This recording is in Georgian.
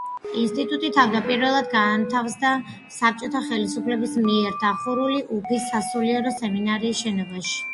ინსტიტუტი თავდაპირველად განთავსდა საბჭოთა ხელისუფლების მიერ დახურული უფის სასულიერო სემინარიის შენობაში.